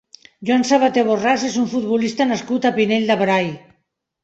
Joan Sabaté Borràs és un futbolista nascut al Pinell de Brai.